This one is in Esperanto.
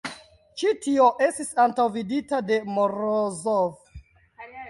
Ĉi tio estis antaŭvidita de Morozov.